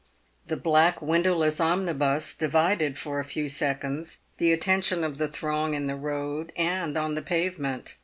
The black windowless omnibus divided for a few seconds the atten tion of the throng in the road and on the pavement.